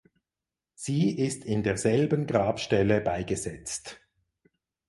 Sie ist in derselben Grabstelle beigesetzt.